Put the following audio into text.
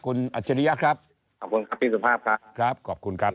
คุณอัจฉริยะครับขอบคุณครับพี่สุภาพครับครับขอบคุณครับ